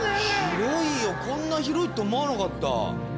広いよこんな広いと思わなかった。